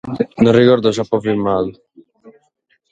Non regordo si apo firmadu.